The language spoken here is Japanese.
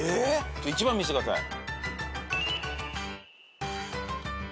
１番見せてください。